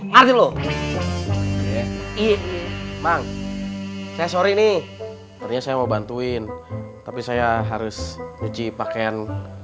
ngerti lu iye mang saya sorry nih ternyata saya mau bantuin tapi saya harus uji pakaian